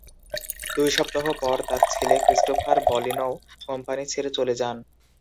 দুই সপ্তাহ পর তার ছেলে ক্রিস্টোফার বলিনও কোম্পানি ছেড়ে চলে যান।